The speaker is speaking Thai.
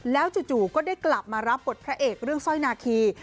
แล้วจู่ก็ได้กลับมารับบทพระเอกเรื่องสร้อยนาคี